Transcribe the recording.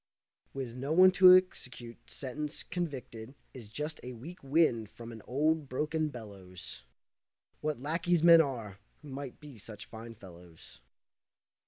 With no one to execute sentence, convicted Is just the weak wind from an old, broken bellows. What lackeys men are, who might be such fine fellows!